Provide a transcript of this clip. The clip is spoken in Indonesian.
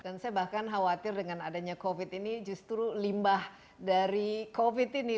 dan saya bahkan khawatir dengan adanya covid ini justru limbah dari covid ini